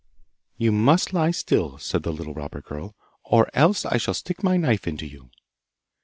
'You must lie still,' said the little robber girl, 'or else I shall stick my knife into you!